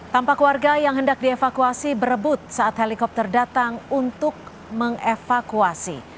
tampak warga yang hendak dievakuasi berebut saat helikopter datang untuk mengevakuasi